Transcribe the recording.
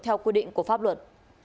theo quy định của pháp luật